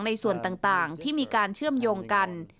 ในส่วนต่างที่มีการเชื่อมโยงกัน